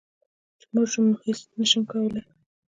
چي مړ شوم نو هيڅ نشم کولی